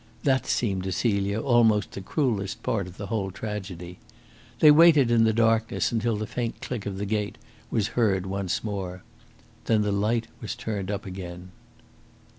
That seemed to Celia almost the cruellest part of the whole tragedy. They waited in the darkness until the faint click of the gate was heard once more. Then the light was turned up again.